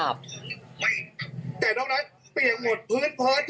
แต่ตรงนั้นเปียงหมดพื้นพื้นทุกอย่างเปียงหมดขนมผลไม้ทุกอย่างเปียงหมด